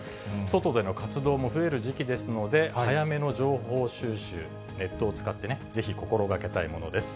外での活動も増える時期ですので、早めの情報収集、ネットを使って、ぜひ心がけたいものです。